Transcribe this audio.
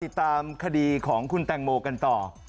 ติดตามคดีของคุณแตงโมกันต่อ